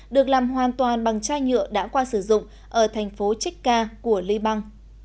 được làm hoàn toàn bằng chai nhựa đã qua sử dụng ở thành phố chekka của liban